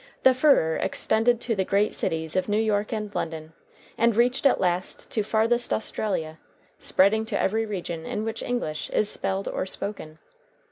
The furor extended to the great cities of New York and London, and reached at last to farthest Australia, spreading to every region in which English is spelled or spoken.